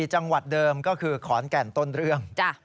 จังหวัดเดิมก็คือขอนแก่นต้นเรื่อง